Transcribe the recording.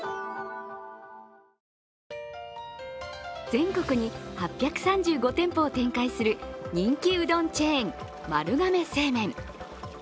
全国に８３５店舗を展開する人気うどんチェーン、丸亀製麺。